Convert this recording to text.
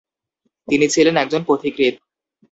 তিনি ছিলেন একজন পথিকৃৎ।